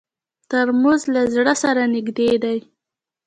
ترموز له زړه سره نږدې دی.